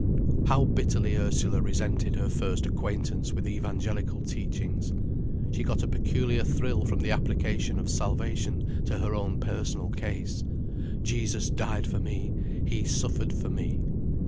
How bitterly Ursula resented her first acquaintance with evangelical teachings. She got a peculiar thrill from the application of salvation to her own personal case. "Jesus died for me, He suffered for me."